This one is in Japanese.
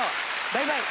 バイバイ！